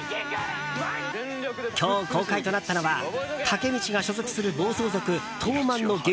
今日公開となったのはタケミチが所属する暴走族トーマンの激